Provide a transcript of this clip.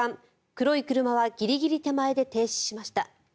黒い車はギリギリ手前で停止しました。